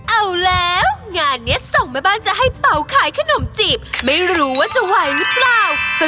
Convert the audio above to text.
เอาแล้วงานนี้ส่งแม่บ้านจะให้เป่าขายขนมจีบไม่รู้ว่าจะไหวหรือเปล่า